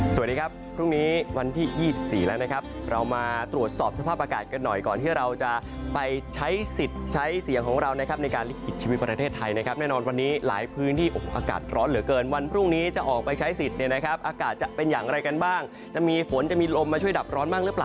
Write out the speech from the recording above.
สวัสดีครับพรุ่งนี้วันที่๒๔แล้วนะครับเรามาตรวจสอบสภาพอากาศกันหน่อยก่อนที่เราจะไปใช้สิทธิ์ใช้เสียงของเรานะครับในการลิขิตชีวิตประเทศไทยนะครับแน่นอนวันนี้หลายพื้นที่โอ้โหอากาศร้อนเหลือเกินวันพรุ่งนี้จะออกไปใช้สิทธิ์เนี่ยนะครับอากาศจะเป็นอย่างไรกันบ้างจะมีฝนจะมีลมมาช่วยดับร้อนบ้างหรือเปล่า